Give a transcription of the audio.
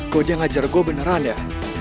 kau udah ngajar gua beneran ya